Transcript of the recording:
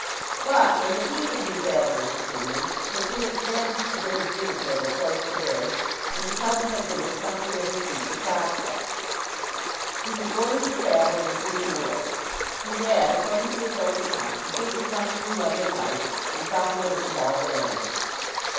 But, in the teeth of these adverse opinions Sir Felix managed to get his dinner table close to theirs and to tell them at dinner something of his future prospects. He was going to travel and see the world. He had, according to his own account, completely run through London life and found that it was all barren.